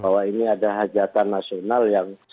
bahwa ini ada hajatan nasional yang semua harus diberikan